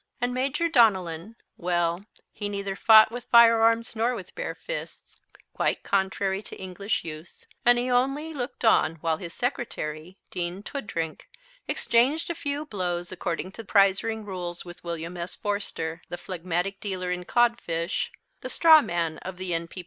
And Major Donellan; well, he neither fought with firearms nor with bare fists, quite contrary to English use, and he only looked on while his Secretary, Dean Toodrink, exchanged a few blows according to prize ring rules with William S. Forster, the phlegmatic dealer in codfish, the straw man of the N.